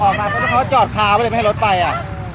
เขาจอดพาไปไม่ให้รถไปอ่ะ